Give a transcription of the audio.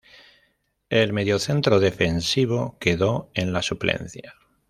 El mediocentro defensivo quedó en la suplencia.